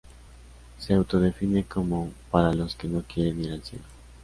Se autodefine como "Para los que no quieren ir al cielo".